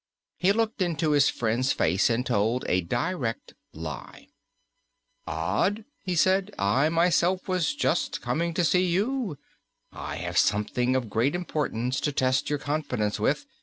He looked into his friend's face, and told a direct lie. "Odd," he said, "I myself was just coming to see you. I have something of great importance to test your confidence with.